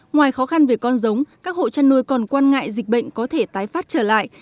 ngoài khó khăn về con giống các hộ chăn nuôi còn quan ngại dịch bệnh có thể tái phát trở lại